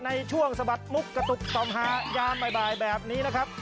สะบัดมุกกระตุกต่อมหายามบ่ายแบบนี้นะครับ